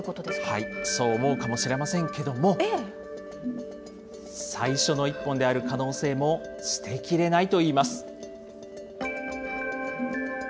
はい、そう思うかもしれませんけれども、最初の１本である可能性も捨てきれない。